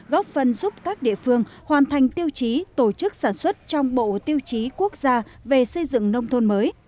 góp phần giúp các địa phương hoàn thành tiêu chí tổ chức sản xuất trong bộ tiêu chí quốc gia về xây dựng nông thôn mới